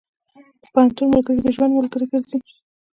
د پوهنتون ملګري د ژوند ملګري ګرځي.